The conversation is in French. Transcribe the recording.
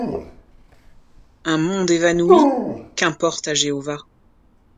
Un monde évanoui, qu’importe à Jéhovah ?